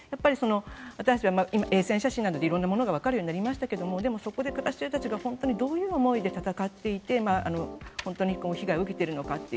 私たちは今、衛星写真などで色々なものがわかるようになりましたがでも、そこで暮らしてる人たちがどういう思いで戦っていて本当に被害を受けているのかという。